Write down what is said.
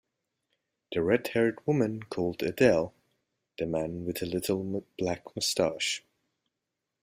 The red-haired woman called Adele; the man with the little black moustache.